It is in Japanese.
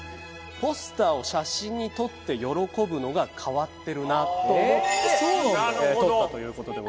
ポスターを写真に撮って喜ぶのが変わってるなと思って撮ったという事でございます。